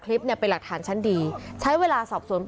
มีกล้วยติดอยู่ใต้ท้องเดี๋ยวพี่ขอบคุณ